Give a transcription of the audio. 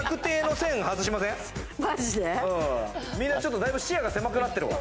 みんなちょっとだいぶ視野が狭くなってるわ。